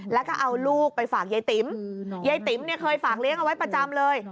แล้วก็เอาลูกไปฝากยายติ๋มยายติ๋มเนี่ยเคยฝากเลี้ยงเอาไว้ประจำเลย